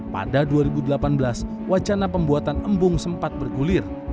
pada dua ribu delapan belas wacana pembuatan embung sempat bergulir